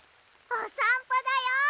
おさんぽだよ！